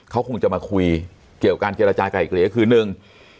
เขาคงจะมาคุยเกี่ยวกันเกี่ยวอาจารย์กับอีกเหรียคือหนึ่ง